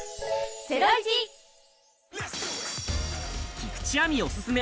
菊地亜美おすすめ！